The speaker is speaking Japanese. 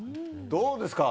どうですか？